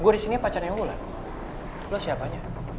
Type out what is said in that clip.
gue disini pacarnya ulan lo siapanya